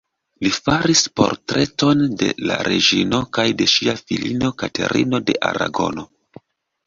Li faris portretojn de la reĝino kaj de ŝia filino Katerino de Aragono.